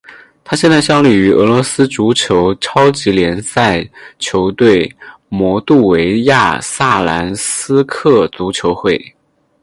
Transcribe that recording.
他现在效力于俄罗斯足球超级联赛球队摩度维亚萨兰斯克足球会。